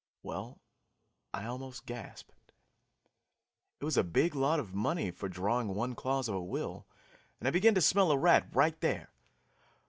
Well, I almost gasped. It was a big lot of money for drawing one clause of a will, and I began to smell a rat right there.